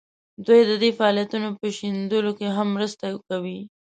دوی د دې فعالیتونو په شنډولو کې هم مرسته کوي.